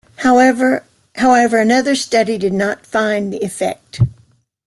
However, another study did not find the effect.